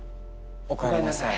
おかえりなさい。